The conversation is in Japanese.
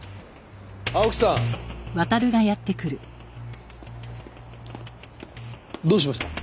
青木さん。どうしました？